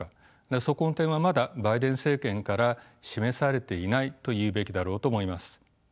そこの点はまだバイデン政権から示されていないというべきだろうと思います。